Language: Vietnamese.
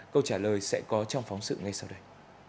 câu trả lời sẽ có trong phóng sự ngay sau đây